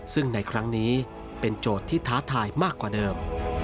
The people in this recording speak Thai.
ซึ่งในครั้งนี้เป็นโจทย์ที่ท้าทายมากกว่าเดิม